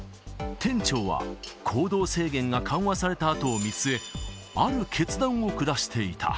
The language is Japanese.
店長は、行動制限が緩和されたあとを見据え、ある決断を下していた。